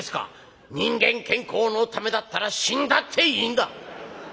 「人間健康のためだったら死んだっていいんだ。